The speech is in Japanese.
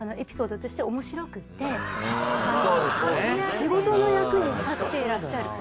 仕事の役に立っていらっしゃる。